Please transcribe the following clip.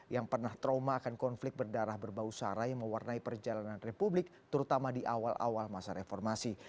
yang pernah trauma akan konflik berdarah berbau sarai mewarnai perjalanan republik terutama di awal awal masa reformasi